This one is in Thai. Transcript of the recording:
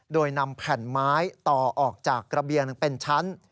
โดยนำแผ่นไม้ต่อออกจากระเบียงเป็นชั้น